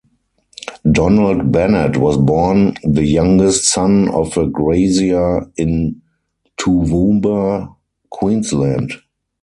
Donald Bennett was born the youngest son of a grazier in Toowoomba, Queensland.